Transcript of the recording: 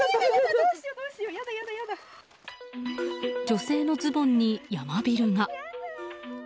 女性のズボンにヤマビルが。